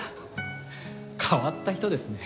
変わった人ですね。